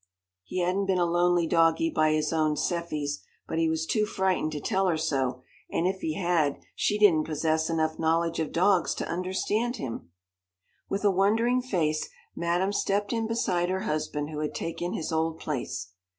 He hadn't been a lonely doggie by his own "seffies," but he was too frightened to tell her so, and if he had, she didn't possess enough knowledge of dogs to understand him. With a wondering face, Madame stepped in beside her husband who had taken his old place.